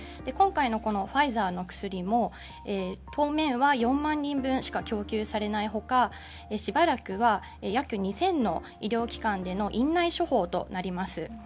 今回のファイザーの薬も当面は４万人分しか供給されないほかしばらくは約２０００の医療機関での院内処方となります。